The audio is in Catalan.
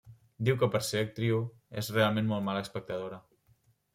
Diu que per a ser actriu, és realment molt mala espectadora.